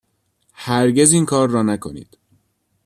هرگز اینکار را نکنید.